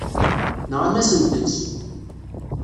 Nɣan-asent-tt.